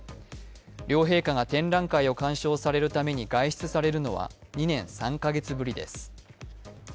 両陛下が展覧会を鑑賞されるために外出されるのは２年３カ月ぶりです。